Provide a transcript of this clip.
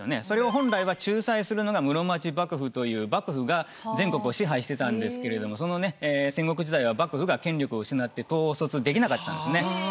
それを本来は仲裁するのが室町幕府という幕府が全国を支配してたんですけれどもそのね戦国時代は幕府が権力を失って統率できなかったんですね。